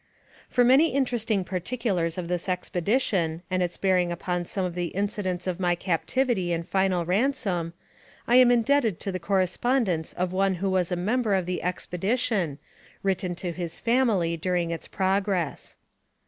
For many interesting particulars of this expedition, and its bearing upon some of the incidents of my cap tivity and final ransom, I am indebted to the corre spondence of one who was a member of the expedition, written to his family during its progress.